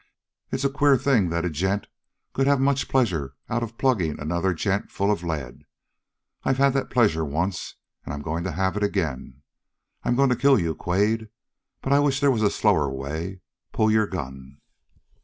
It's a queer thing that a gent could have much pleasure out of plugging another gent full of lead. I've had that pleasure once; and I'm going to have it again. I'm going to kill you, Quade, but I wish there was a slower way! Pull your gun!"